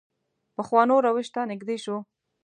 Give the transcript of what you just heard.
پخوانو روش ته نږدې شو.